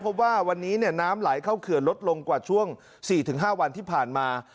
พบว่าวันนี้น้ำไหลเข้าเขื่อนลดลงกว่าช่วง๔๕วันที่ผ่านมา